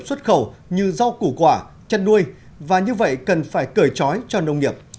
xuất khẩu như rau củ quả chăn nuôi và như vậy cần phải cởi trói cho nông nghiệp